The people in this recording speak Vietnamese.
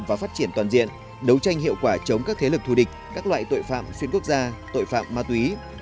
và phát triển toàn diện đấu tranh hiệu quả chống các thế lực thù địch các loại tội phạm xuyên quốc gia tội phạm ma túy